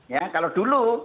ya kalau dulu